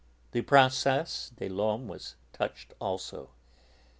The Princesse des Laumes was touched also.